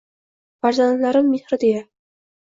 Farzandlarim mehri deya